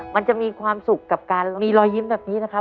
มันจะมีความสุขกับการมีรอยยิ้มแบบนี้นะครับ